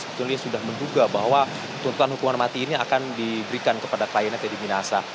sebetulnya sudah menduga bahwa tuntutan hukuman mati ini akan diberikan kepada kliennya teddy minasa